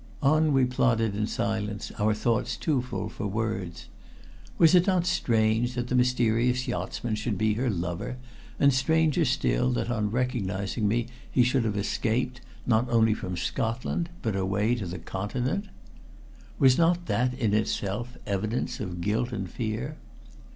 On we plodded in silence, our thoughts too full for words. Was it not strange that the mysterious yachtsman should be her lover, and stranger still that on recognizing me he should have escaped, not only from Scotland, but away to the Continent? Was not that, in itself, evidence of guilt and fear?